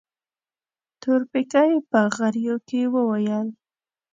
تورپيکۍ په غريو کې وويل.